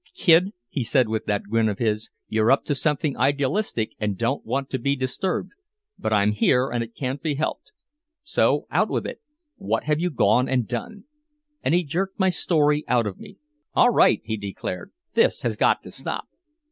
"Kid," he said with that grin of his, "you're up to something idealistic and don't want to be disturbed. But I'm here and it can't be helped. So out with it what have you gone and done?" And he jerked my story out of me. "All right," he declared, "this has got to stop!"